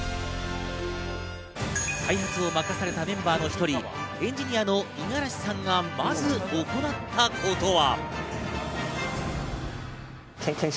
開発を任されたメンバーの１人、エンジニアの五十嵐さんがまず行ったことは。